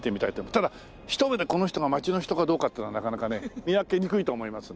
ただ一目で「この人が町の人かどうか」ってのはなかなかね見分けにくいと思いますのでね。